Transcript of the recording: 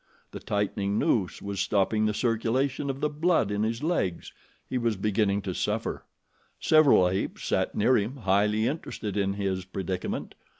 The tightening noose was stopping the circulation of the blood in his legs he was beginning to suffer. Several apes sat near him highly interested in his predicament.